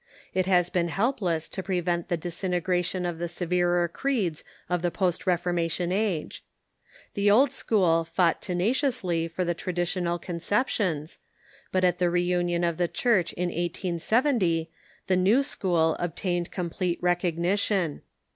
It has been helpless to pre vent the disintegration of the severer creeds of the Presbyterian post Reformation age. The Old School fought te Theology ^_*_,_^ naciously for the traditional conceptions, but at the reunion of the Church in 1870 the New School obtained com plete recognition.